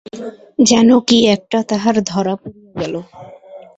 যেন কী-একটা তাহার ধরা পড়িয়া গেল।